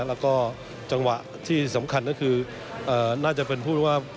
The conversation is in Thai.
แล้วก็จังหวะที่สำคัญก็คือน่าจะเป็นพูดว่า